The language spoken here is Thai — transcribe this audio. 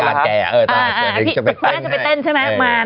คุณแม่จะไปเต้นใช่ไหม